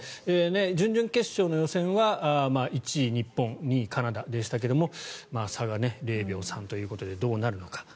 準々決勝の予選は１位日本２位カナダでしたが差が０秒３ということでどうなるのか。